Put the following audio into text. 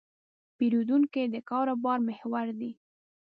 پیرودونکی د کاروبار محور دی.